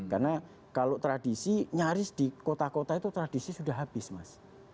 karena kalau tradisi nyaris di kota kota itu tradisi sudah habis mas